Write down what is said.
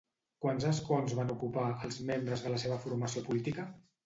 Quants escons van ocupar, els membres de la seva formació política?